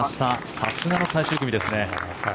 さすがの最終組ですね。